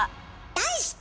題して！